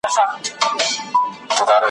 څوک له تاج سره روان وي چا اخیستې خزانې وي `